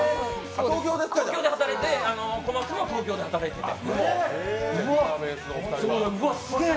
東京で働いて、この人も東京で働いてて。